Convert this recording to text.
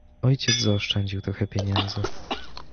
"Ojciec zaoszczędził trochę pieniędzy."